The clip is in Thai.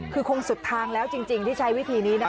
คือคงสุดทางแล้วจริงที่ใช้วิธีนี้นะ